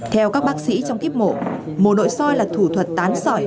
theo các bác sĩ trong kiếp mổ mổ nội soi là thủ thuật tán sỏi